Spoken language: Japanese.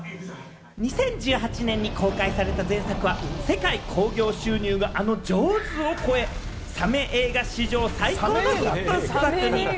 ２０１８年に公開された前作は、世界興行収入があの『ジョーズ』を超え、サメ映画史上最高のヒット作に！